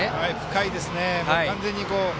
深いですね。